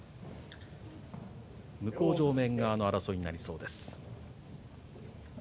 向正面側の争いになりそうです。